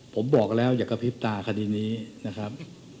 ผมบอกแล้วอย่ากระพริบตาคดีนี้นะครับ